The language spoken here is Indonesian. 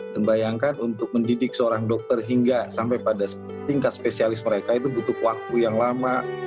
dan bayangkan untuk mendidik seorang dokter hingga sampai pada tingkat spesialis mereka itu butuh waktu yang lama